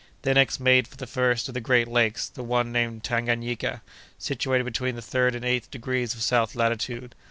They next made for the first of the great lakes, the one named Tanganayika, situated between the third and eighth degrees of south latitude.